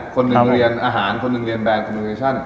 คนหนึ่งเรียนอาหารคนหนึ่งเรียนแรนดคอโมเนชั่น